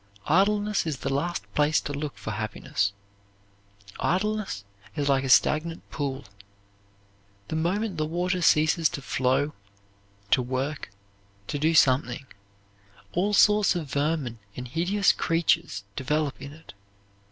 Idleness is the last place to look for happiness. Idleness is like a stagnant pool. The moment the water ceases to flow, to work, to do something, all sorts of vermin and hideous creatures develop in it.